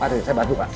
mari saya bantu pak